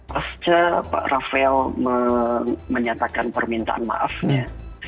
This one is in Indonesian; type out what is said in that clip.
pasca pak rafael menyatakan permintaan maafnya